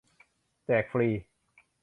แจก ฟรี !